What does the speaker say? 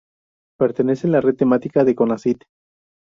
Pertenece a la red temática de Conacyt.